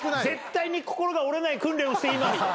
「絶対に心が折れない訓練をしています」